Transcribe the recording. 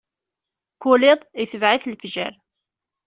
Kul iḍ, itbeɛ-it lefjer.